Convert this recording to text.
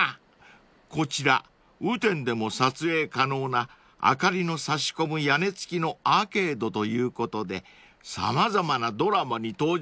［こちら「雨天でも撮影可能な明かりの差し込む屋根付きのアーケード」ということで様々なドラマに登場するんです］